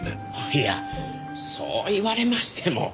いやそう言われましても。